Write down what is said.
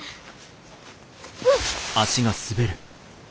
うっ。